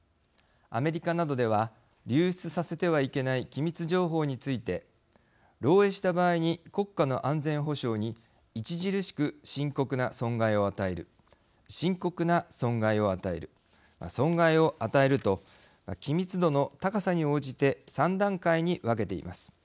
アメリカなどでは流出させてはいけない機密情報について漏えいした場合に国家の安全保障に著しく深刻な損害を与える深刻な損害を与える損害を与えると機密度の高さに応じて３段階に分けています。